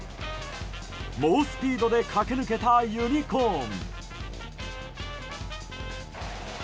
猛スピードで駆け抜けたユニコーン。